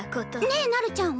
ねえなるちゃん